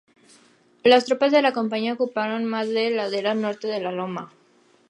Las tropas de la Compañía ocuparon la ladera norte de la loma.